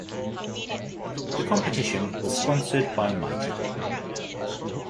The competition was sponsored by Mitre.